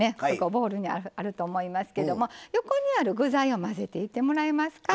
ボウルにあると思いますけども横にある具材を混ぜていってもらえますか。